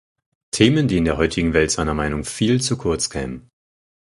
Themen die in der heutigen Welt seiner Meinung „viel“ zu kurz kämen.